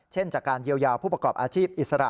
จากการเยียวยาผู้ประกอบอาชีพอิสระ